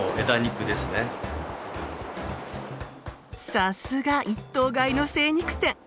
さすが一頭買いの精肉店！